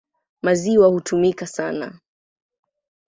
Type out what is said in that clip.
Maziwa hutumika sana.